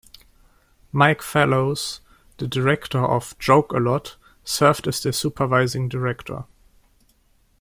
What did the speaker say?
Mike Fallows, the director of "Joke-a-lot", served as the supervising director.